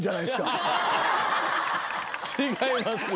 違いますよ。